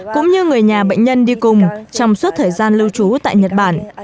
cũng như người nhà bệnh nhân đi cùng trong suốt thời gian lưu trú tại nhật bản